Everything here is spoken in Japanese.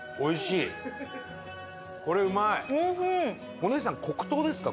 お姉さん黒糖ですか？